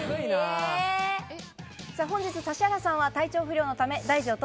本日、指原さんは体調不良のため、大事を